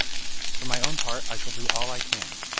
For my own part, I shall do all I can.